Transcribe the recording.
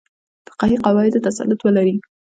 فقهي قواعدو تسلط ولري.